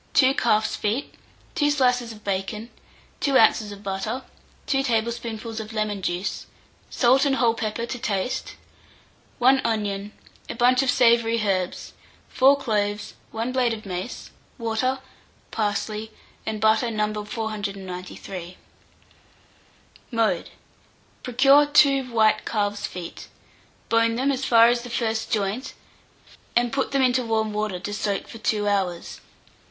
2 calf's feet, 2 slices of bacon, 2 oz. of butter, 2 tablespoonfuls of lemon juice, salt and whole pepper to taste, 1 onion, a bunch of savoury herbs, 4 cloves, 1 blade of mace, water, parsley and butter No. 493. Mode. Procure 2 white calf's feet; bone them as far as the first joint, and put them into warm water to soak for 2 hours.